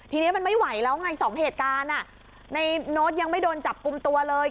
ทีนี้มันไม่ไหวแล้วไงสองเหตุการณ์ในโน้ตยังไม่โดนจับกลุ่มตัวเลย